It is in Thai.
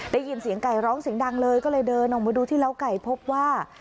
ได้ยินเสียงไก่ร้องเสียงดังเลยก็เลยเดินออกมาดูที่เล้าไก่พบว่า